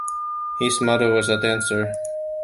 His mother was a dancer.